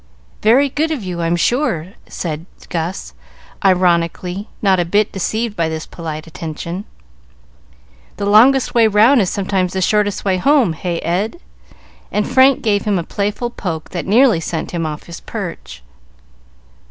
"Very good of you, I'm sure," said Gus, ironically, not a bit deceived by this polite attention. "The longest way round is sometimes the shortest way home, hey, Ed?" and Frank gave him a playful poke that nearly sent him off his perch.